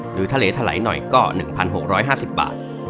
หรือเท่าไหร่หน่อยก็๑๖๕๐บาท